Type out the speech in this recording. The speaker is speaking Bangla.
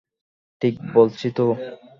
ঠিক বলছি তো?